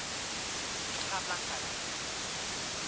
ถ้าไปปลาปล่านไหน